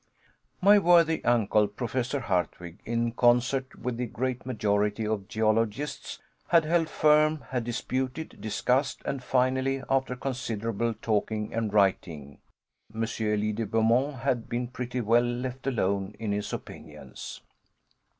My worthy uncle, Professor Hardwigg, in concert with the great majority of geologists, had held firm, had disputed, discussed, and finally, after considerable talking and writing, M. Elie de Beaumont had been pretty well left alone in his opinions.